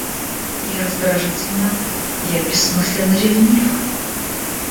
Я раздражительна, я бессмысленно ревнива.